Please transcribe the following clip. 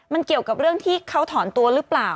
มันเกี่ยวกับเรื่องที่เขาถอนตัวหรือเปล่า